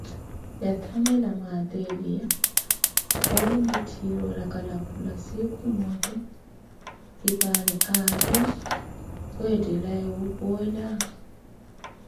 Yattamela mwalteyiya, akhole atitthiru oolakala phula, siikhu moote, tipani ari weetelaawe wuupuwela?